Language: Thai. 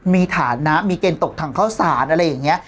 มีฐานะมีเกณฑ์ตกถังเข้าสารอะไรอย่างนี้